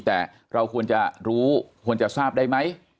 แต่เราควรจะรู้ควรจะทราบได้ไหม